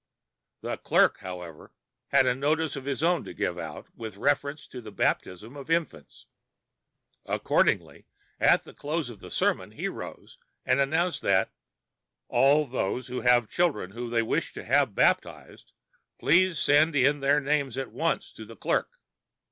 The clerk, however, had a notice of his own to give out with reference to the baptism of infants. Accordingly, at the close of the sermon he arose and announced that "All those who have children whom they wish to have baptized please send in their names at once to the clerk."